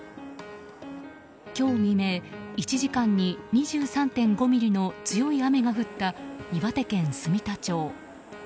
今日未明、１時間に２３．５ミリの強い雨が降った岩手県住田町。